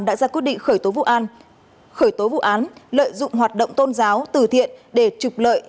đã ra quyết định khởi tố vụ án lợi dụng hoạt động tôn giáo tử thiện để trục lợi